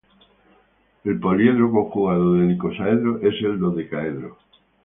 El poliedro conjugado del icosaedro es el dodecaedro.